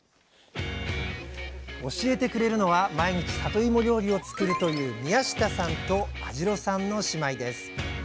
教えてくれるのは毎日さといも料理を作るという宮下さんと安城さんの姉妹です。